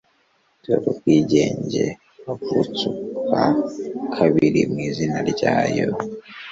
dore ubwigenge , wavutse ubwa kabiri mwizina ryayo